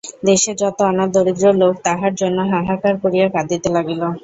দেশের যত অনাথ দরিদ্র লোক তাঁহার জন্য হাহাকার করিয়া কাঁদিতে লাগিল।